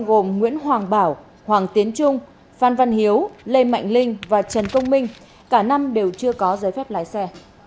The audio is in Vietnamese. gồm nguyễn hoàng bảo hoàng tiến trung phan văn hiếu lê mạnh linh và trần công minh cả năm đều chưa có giấy phép lái xe